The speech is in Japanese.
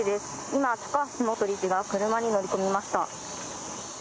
今、高橋元理事が車に乗り込みました。